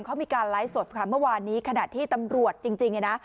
เค้ามีการไลฟ์สดขณะที่ตำรวจจริง